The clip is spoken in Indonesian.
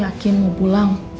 lo yakin mau pulang